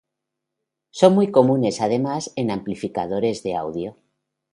Son muy comunes además en amplificadores de audio.